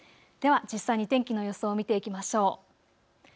では実際に天気の予想を見ていきましょう。